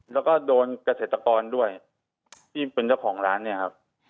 แล้วก็โดนเกษตรกรด้วยที่เป็นเจ้าของร้านเนี่ยครับ